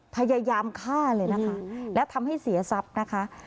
พยายามฆ่าเลยนะคะและทำให้เสียทรัพย์นะคะ